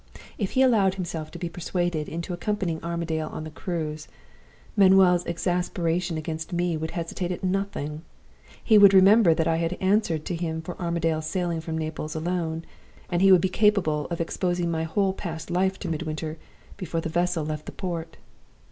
If he allowed himself to be persuaded into accompanying Armadale on the cruise, Manuel's exasperation against me would hesitate at nothing he would remember that I had answered to him for Armadale's sailing from Naples alone; and he would be capable of exposing my whole past life to Midwinter before the vessel left the port.